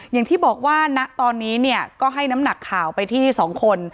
อย่างที่บอกว่าณตอนนี้เนี่ยก็ให้น้ำหนักข่าวไปที่๒คน